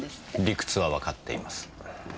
理屈はわかっています。